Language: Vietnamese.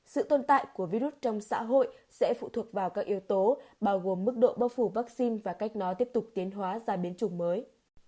sự tồn tại của vi rút trong xã hội sẽ phụ thuộc vào các yếu tố bao gồm mức độ bao phủ vắc xin và cách nó tiếp tục tiến hóa ra biến chủng mới